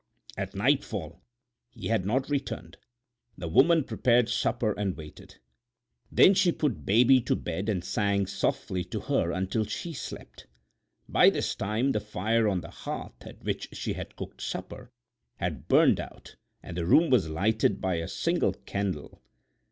At nightfall he had not returned. The woman prepared supper and waited. Then she put Baby to bed and sang softly to her until she slept. By this time the fire on the hearth, at which she had cooked supper, had burned out and the room was lighted by a single candle.